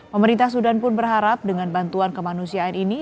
pemerintah sudan pun berharap dengan bantuan kemanusiaan ini